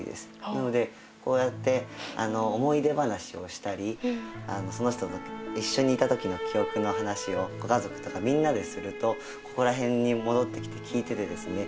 なのでこうやって思い出話をしたりその人と一緒にいた時の記憶の話をご家族とかみんなでするとここら辺に戻ってきて聞いててですね